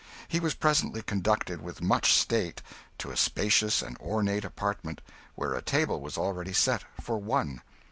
He was presently conducted with much state to a spacious and ornate apartment, where a table was already set for one.